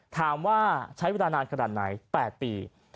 ถามว่าใช้เวลานานขนาดไหน๘ปี